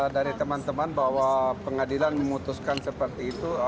dari teman teman bahwa pengadilan memutuskan seperti itu